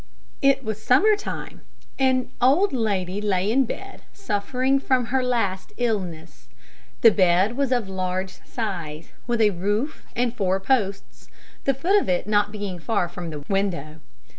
It was summer time. An old lady lay in bed suffering from her last illness. The bed was of large size, with a roof and four posts, the foot of it being not far from the window.